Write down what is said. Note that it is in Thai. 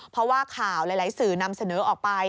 เพราะว่าข่าวหลายสื่อนำเสนอออกไป